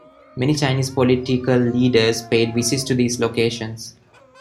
Many Chinese political leaders paid visits to these locations.